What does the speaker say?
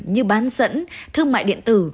như bán dẫn thương mại điện tử